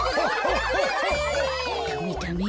ダメダメ。